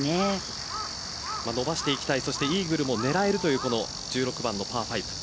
伸ばしていきたいそしてイーグルも狙えるというこの１６番のパー５。